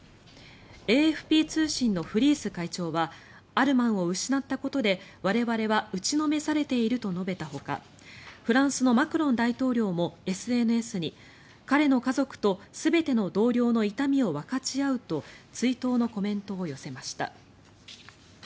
ＡＦＰ通信のフリース会長はアルマンを失ったことで我々は打ちのめされていると述べたほかフランスのマクロン大統領もＳＮＳに彼の家族と全ての同僚の痛みを分かち合うと追悼のコメントを寄せました。